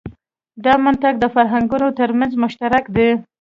دا منطق د فرهنګونو تر منځ مشترک دی.